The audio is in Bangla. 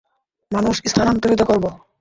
মানুষ স্থানান্তরিত করব?